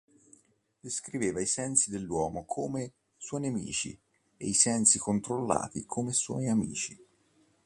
Descriveva i sensi dell'uomo come suoi nemici e i sensi controllati come suoi amici.